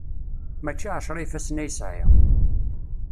Mačči ɛecra ifassen ay sɛiɣ!